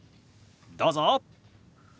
どうぞ。